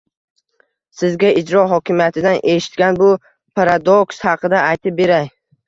Sizga ijro hokimiyatidan eshitgan bu paradoks haqida aytib beray